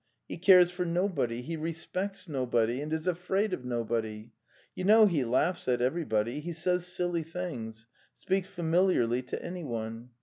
He cares for nobody, he respects nobody, and is afraid of nobody. ... You know he laughs at everybody, he says silly things, speaks familiarly to anyone.